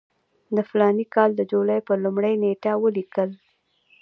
د فلاني کال د جولای پر لومړۍ نېټه ولیکل.